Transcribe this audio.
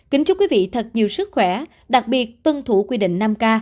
kính chúc quý vị thật nhiều sức khỏe đặc biệt tuân thủ quy định năm k